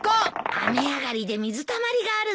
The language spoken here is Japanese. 雨上がりで水たまりがあるんだよ。